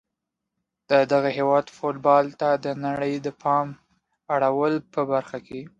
د دغه هیواد فوتبال ته د نړۍ د پام اړولو په برخه کې